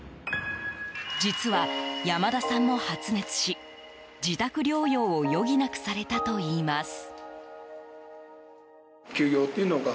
実は、山田さんも発熱し自宅療養を余儀なくされたといいます。